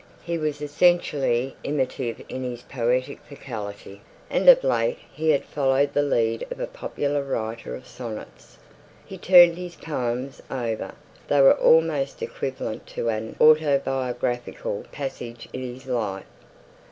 He was essentially imitative in his poetic faculty; and of late he had followed the lead of a popular writer of sonnets. He turned his poems over: they were almost equivalent to an autobiographical passage in his life.